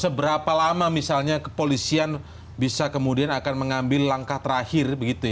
seberapa lama misalnya kepolisian bisa kemudian akan mengambil langkah terakhir